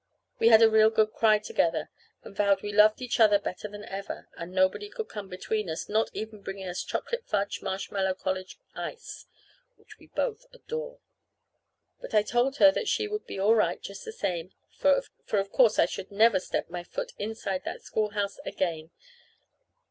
We had a real good cry together, and vowed we loved each other better than ever, and nobody could come between us, not even bringing a chocolate fudge marshmallow college ice which we both adore. But I told her that she would be all right, just the same, for of course I should never step my foot inside of that schoolhouse again.